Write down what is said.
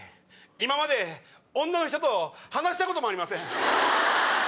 今まで女の人と話したこともありません。